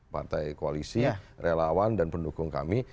partai koalisi relawan dan pendukung kami